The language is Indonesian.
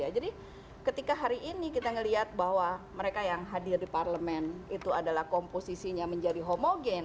jadi ketika hari ini kita melihat bahwa mereka yang hadir di parlemen itu adalah komposisinya menjadi homogen